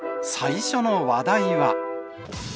最初の話題は。